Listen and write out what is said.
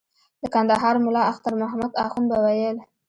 د کندهار ملا اختر محمد اخند به ویل.